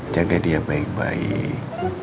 jagain dia baik baik